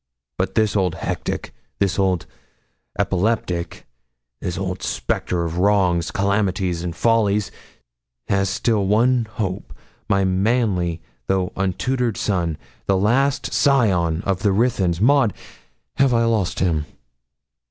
But this old hectic this old epileptic this old spectre of wrongs, calamities, and follies, had still one hope my manly though untutored son the last male scion of the Ruthyns. Maud, have I lost him?